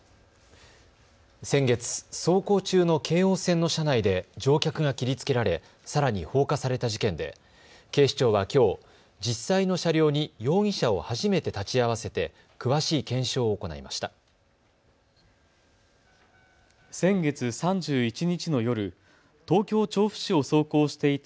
先月、走行中の京王線の車内で乗客が切りつけられさらに放火された事件で警視庁はきょう実際の車両に容疑者を初めて立ち会わせて詳しい検証を行いました。